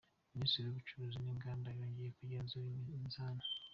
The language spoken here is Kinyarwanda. Minisiteri y’Ubucuruzi n’Inganda yongeye kugenzura iminzani